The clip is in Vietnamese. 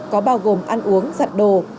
có bao gồm ăn uống giặt đồ